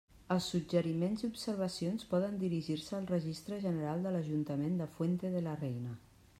Els suggeriments i observacions poden dirigir-se al Registre General de l'Ajuntament de Fuente de la Reina.